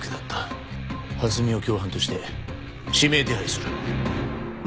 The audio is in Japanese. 蓮見を共犯として指名手配する。